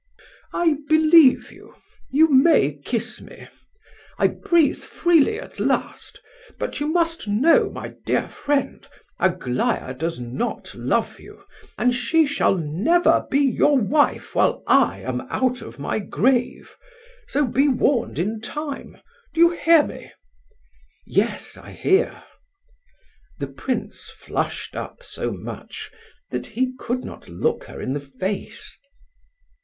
"I believe you. You may kiss me; I breathe freely at last. But you must know, my dear friend, Aglaya does not love you, and she shall never be your wife while I am out of my grave. So be warned in time. Do you hear me?" "Yes, I hear." The prince flushed up so much that he could not look her in the face.